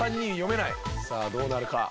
さあどうなるか。